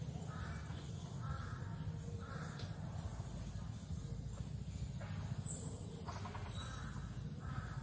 สวัสดีครับ